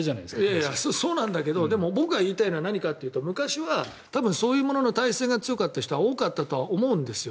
いやいや、そうなんだけど僕が言いたいのは何かというと昔は多分そういうものの耐性が強かった人は多かったとは思うんですよ。